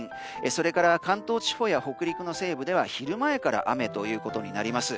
それから関東地方や北陸の西部では昼前から雨となります。